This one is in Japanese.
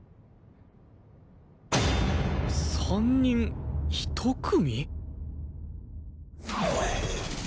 ３人１組？